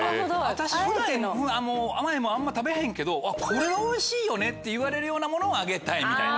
私普段甘いもんあんま食べへんけどこれはおいしいよねって言われるようなものをあげたいみたいな。